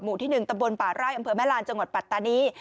ที่๑ตำบลป่าไร่อำเภอแม่ลานจังหวัดปัตตานี